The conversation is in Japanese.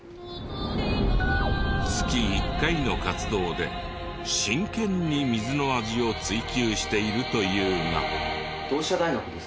月１回の活動で真剣に水の味を追究しているというが。